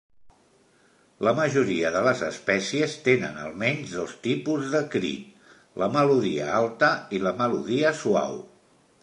La majoria de les espècies tenen almenys dos tipus de crit, la "melodia alta" i la "melodia suau".